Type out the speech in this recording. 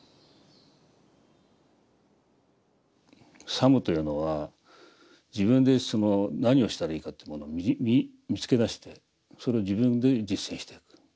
作務というのは自分でその何をしたらいいかというものを見つけ出してそれを自分で実践していく。